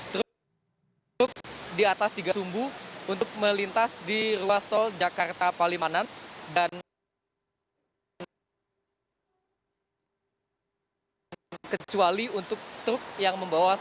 truk di atas tiga sumbu untuk melintas di ruas tol jakarta palimanan